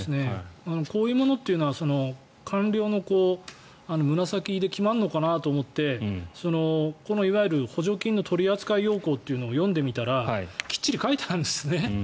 こういうものというのは官僚の胸先で決まるのかなと思ってこのいわゆる補助金の取扱要領を読んでみたらきっちり書いてあるんですね。